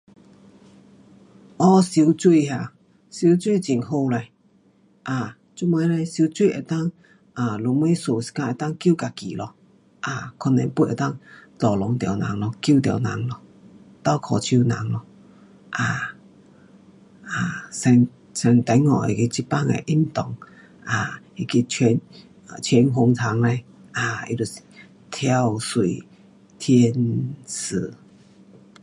学游泳啊，游泳很好嘞，um 做么嘞？游泳是能 um 若么事是讲能够救自己咯。um 可能 pun 能够 tolong 到人咯，救到人咯，倒脚手人咯，um 像中国的这班的运动，um 那个全，全红蝉，um 她就是跳水天使。